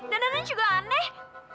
danan danan juga aneh